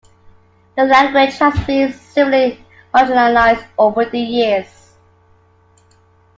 The language has been severely marginalised over the years.